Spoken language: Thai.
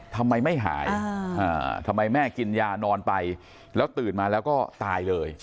ทำไมไม่หายทำไมแม่กินยานอนไปแล้วตื่นมาแล้วก็ตายเลย